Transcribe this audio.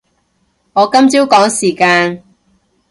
我今朝趕時間